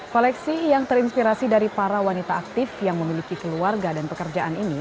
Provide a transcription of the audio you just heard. koleksi yang terinspirasi dari para wanita aktif yang memiliki keluarga dan pekerjaan ini